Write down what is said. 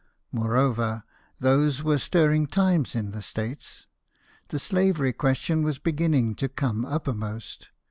More over, those were stirring times in the States. The slavery question was beginning to come uppermost.